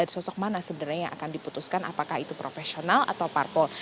sosok mana sebenarnya yang akan diputuskan apakah itu profesional atau parpol